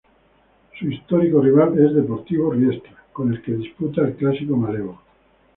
Su histórico rival es Deportivo Riestra, con el que disputa el clásico malevo.